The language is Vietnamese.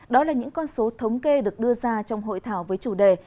đó là những con số thống kê được đưa ra trong hội thảo với chủ đề